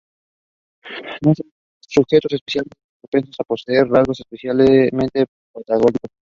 No son sujetos especialmente propensos a poseer rasgos especialmente patológicos.